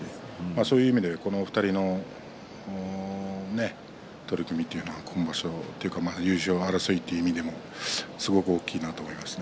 そういう意味で、この２人の取組というのは今場所というか優勝争いという意味でもすごく大きいなと思います。